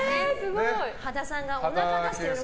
羽田圭介さんが。